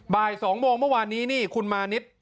บ่าย๒โมงเมื่อวานนี้นี่คุณมานิด